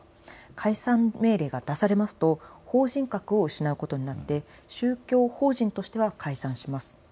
解散命令が出されますと法人格を失うことになって宗教法人としては解散します。